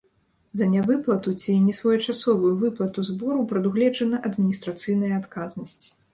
За нявыплату ці несвоечасовую выплату збору прадугледжана адміністрацыйная адказнасць.